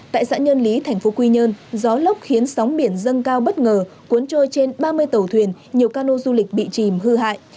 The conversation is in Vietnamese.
tại xã nhân lý thành phố quy nhơn gió lốc khiến sóng biển dâng cao bất ngờ cuốn trôi trên ba mươi tàu thuyền nhiều cano du lịch bị chìm hư hại